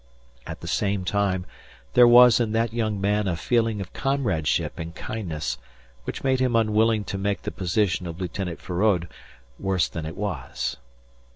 At the same time there was in that young man a feeling of comradeship and kindness which made him unwilling to make the position of Lieutenant Feraud worse than it was.